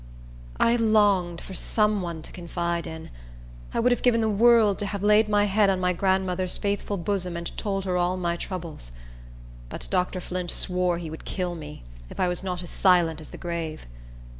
I longed for some one to confide in. I would have given the world to have laid my head on my grandmother's faithful bosom, and told her all my troubles. But Dr. Flint swore he would kill me, if I was not as silent as the grave.